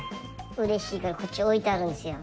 嬉しいからこっち置いてあるんですよ。